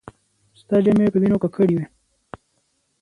ستا جامې په وينو ککړې وې.